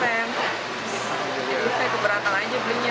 jadi ya keberatan aja belinya